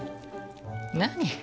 何？